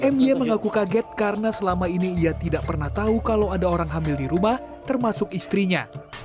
my mengaku kaget karena selama ini ia tidak pernah tahu kalau ada orang hamil di rumah termasuk istrinya